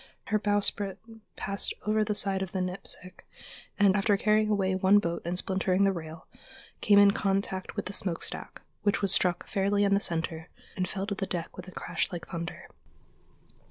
Her bowsprit passed over the side of the Nipsic, and, after carrying away one boat and splintering the rail, came in contact with the smokestack, which was struck fairly in the center and fell to the deck with a crash like thunder.